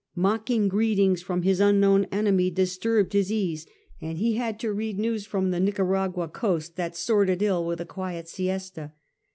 Mocking greetings from his unknown enemy disturbed his ease, and he had to read news from the Nicaraguan 84 SII^ FRANCIS DRAKE chap. coast that sorted ill with a, quiet siesta.